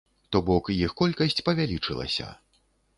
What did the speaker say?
То бок іх колькасць павялічылася.